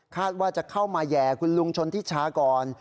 คาดว่าจะเข้ามาแหย่คุณลุงชนทิชชากร